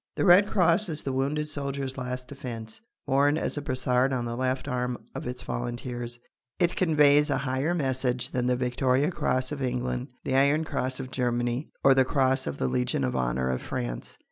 The Red Cross is the wounded soldier's last defence. Worn as a brassard on the left arm of its volunteers, it conveys a higher message than the Victoria Cross of England, the Iron Cross of Germany, or the Cross of the Legion of Honour of France.